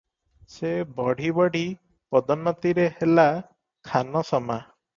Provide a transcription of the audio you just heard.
ସେ ବଢ଼ି ବଢ଼ି ପଦୋନ୍ନତିରେ ହେଲା ଖାନସମା ।